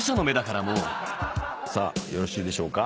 さあよろしいでしょうか？